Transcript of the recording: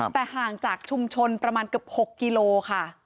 แต่ห่างจากชุมชนประมาณเกือบ๖กิโลค่ะ